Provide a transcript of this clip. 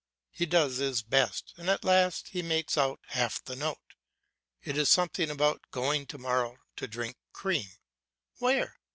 He does his best, and at last he makes out half the note; it is something about going to morrow to drink cream Where?